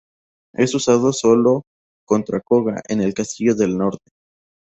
Es usado sólo contra Koga en el Castillo del Norte.